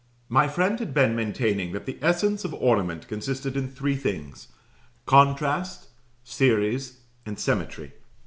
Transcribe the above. My friend had been maintaining that the essence of ornament consisted in three things: contrast, series, and symmetry.